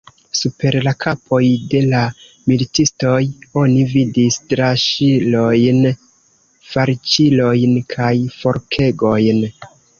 Super la kapoj de la militistoj oni vidis draŝilojn, falĉilojn kaj forkegojn.